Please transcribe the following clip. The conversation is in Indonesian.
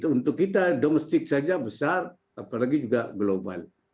untuk kita domestik saja besar apalagi juga global